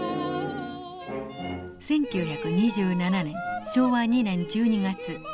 １９２７年昭和２年１２月。